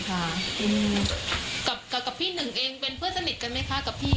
กับพี่หนึ่งเองเป็นเพื่อนสนิทกันไหมคะกับพี่